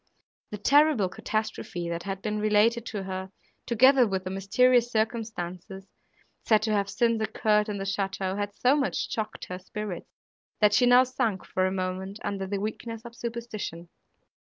The terrible catastrophe that had been related to her, together with the mysterious circumstances said to have since occurred in the château, had so much shocked her spirits, that she now sunk for a moment under the weakness of superstition.